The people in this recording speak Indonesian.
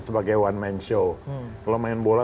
sebagai one man show kalau main bola